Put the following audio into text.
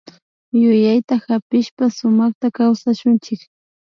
Yuyayta hapishpa sumakta kawsashunchik